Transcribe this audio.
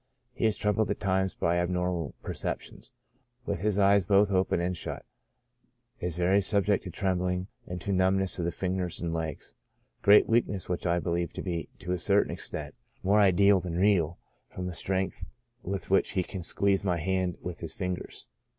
He is troubled at times by abnormal per ceptions, with his eyes both open and shut ; is very subject to trembling, and to numbness of the fingers and legs ; great weakness, which I believe to be, to a certain extent, more ideal than real, from the strength with which he can squeeze my hand with his fingers.